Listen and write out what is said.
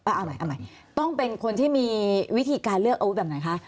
เอาใหม่เอาใหม่ต้องเป็นคนที่มีวิธีการเลือกอาวุธแบบไหนคะ